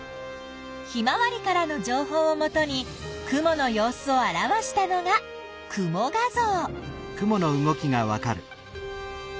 ひまわりからの情報をもとに雲の様子を表したのが雲画像。